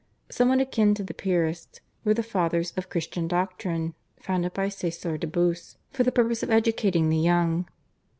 Somewhat akin to the Piarists were the Fathers of Christian Doctrine, founded by Caesar de Bus for the purpose of educating the young.